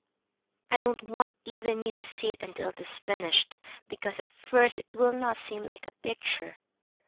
" I don't want even you to see it imtil it is finished, because at first it will not seem like a picture."